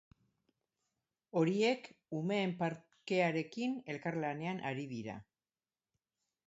Horiek umeen parkearekin elkarlanean ari dira.